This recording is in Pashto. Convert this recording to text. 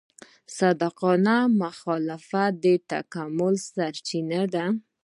صادقانه مخالفت د تکامل سرچینه ده.